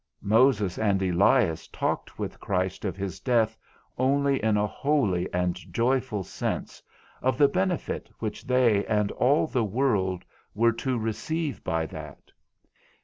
Moses and Elias talked with Christ of his death only in a holy and joyful sense, of the benefit which they and all the world were to receive by that.